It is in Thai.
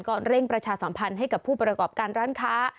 ก็เร่งประชาสัมพันธ์ให้กับผู้ประกอบการร้านค้า